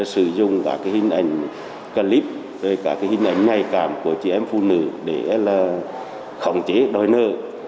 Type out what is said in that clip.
sử dụng cả hình ảnh clip hình ảnh nhạy cảm của chị em phụ nữ để khổng chế đòi nợ